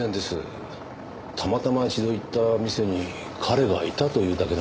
たまたま一度行った店に彼がいたというだけの話で。